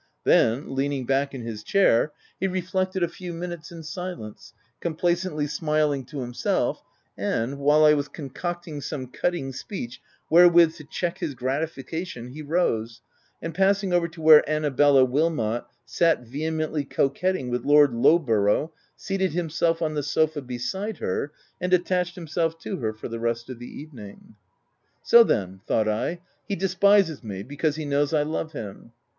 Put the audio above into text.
Then, leaning back in his chair, he reflected a few minutes in silence, complacently smiling to himself, and, while I was concocting some cutting speech wherewith to check his grati fication, he rose, and passing over to where Annabella Wilmot sat vehemently coquetting with Lord Lowborough, seated himself on the sofa beside her, and attached himself to her for the rest of the evening. "So then!" thought I — "he despises me, because he knows I love him."